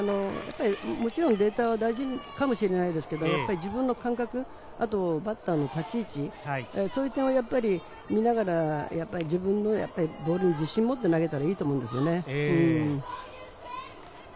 もちろんデータは大事かもしれませんが、自分の感覚、バッターの立ち位置を見ながら自分のボールに自信を持って投げたほうがいいと思うんですよね。